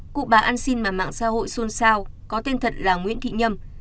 cụ bà ăn xin mà mạng xã hội xuân sao có tên thật là nguyễn thị nhâm